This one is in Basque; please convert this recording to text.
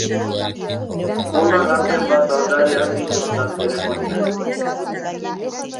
Bola garden bat aldarean izan da zeremonian.